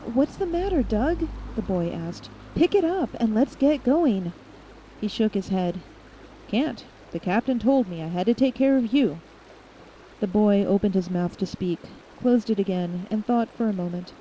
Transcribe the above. "What's the matter, Doug?" the boy asked. "Pick it up and let's get going." He shook his head. "Can't. The captain told me I had to take care of you." The boy opened his mouth to speak, closed it again, and thought for a moment.